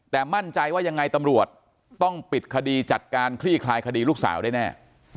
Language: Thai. แต่มั่นใจว่ายังไงตำรวจต้องปิดคดีจัดการคลี่คลายคดีลูกสาวได้แน่